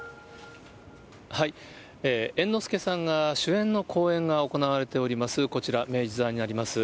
猿之助さんが主演の公演が行われております、こちら明治座になります。